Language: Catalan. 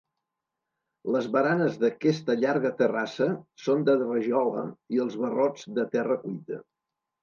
Les baranes d'aquesta llarga terrassa són de rajola i els barrots de terra cuita.